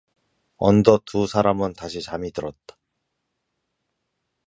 어느덧 두 사람은 다시 잠이 들었다.